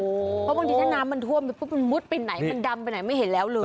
เพราะบางทีถ้าน้ำมันท่วมไปปุ๊บมันมุดไปไหนมันดำไปไหนไม่เห็นแล้วเลย